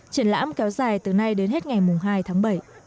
triển lãm kéo dài từ nay đến hết ngày hai tháng bảy